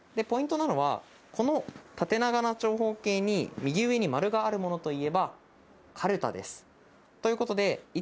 ポイントなのはこの縦長な長方形に右上に丸があるものといえばカルタです。